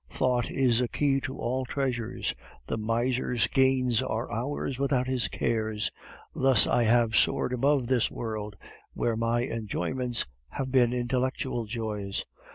Thought is a key to all treasures; the miser's gains are ours without his cares. Thus I have soared above this world, where my enjoyments have been intellectual joys.